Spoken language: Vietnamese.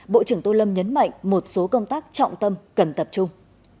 bộ trưởng tô lâm nhấn mạnh một số công tác trọng tâm cần tập trung